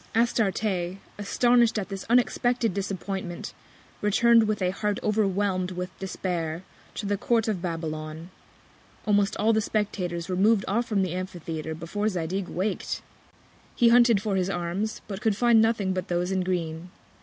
Astarte, astonish'd at this unexpected Disappointment, return'd with a Heart overwhelm'd with Despair, to the Court of Babylon. Almost all the Spectators were mov'd off from the Amphitheatre before Zadig wak'd: He hunted for his Arms; but could find nothing but those in green.